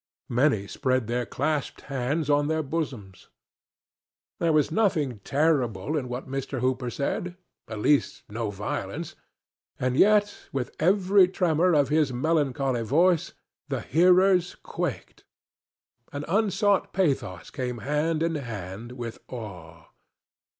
Many spread their clasped hands on their bosoms. There was nothing terrible in what Mr. Hooper said—at least, no violence; and yet with every tremor of his melancholy voice the hearers quaked. An unsought pathos came hand in hand with awe.